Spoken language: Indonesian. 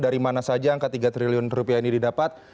dari mana saja angka tiga triliun rupiah ini didapat